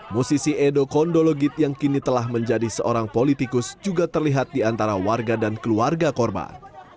musisi edo kondologit yang kini telah menjadi seorang politikus juga terlihat di antara warga dan keluarga korban